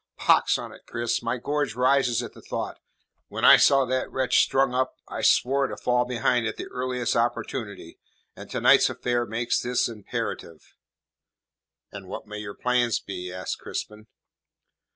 Pox on it, Cris, my gorge rises at the thought! When I saw that wretch strung up, I swore to fall behind at the earliest opportunity, and to night's affair makes this imperative." "And what may your plans be?" asked Crispin.